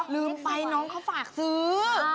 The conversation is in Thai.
รู้ไปน้องเขาฝากสือ